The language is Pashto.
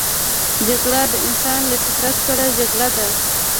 جګړه د انسان له فطرت سره جګړه ده